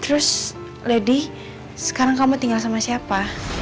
terus lady sekarang kamu tinggal sama siapa